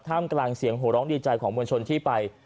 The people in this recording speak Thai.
มกลางเสียงโหร้องดีใจของมวลชนที่ไป